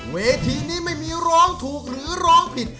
เวทีนี้ไม่มีร้องถูกหรือร้องผิด